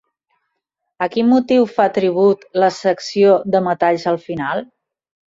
A quin motiu fa tribut la secció de metalls al final?